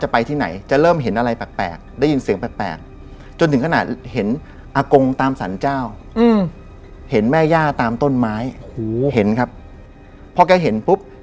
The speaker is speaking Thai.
ปรึกษาเหมือน